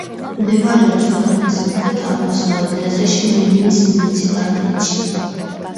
მდებარეობს ქვეყნის სამხრეთ-აღმოსავლეთ ნაწილში მირნის მუნიციპალიტეტში.